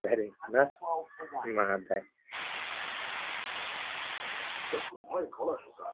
তিনি বিরক্ত হইয়া কহিলেন, না!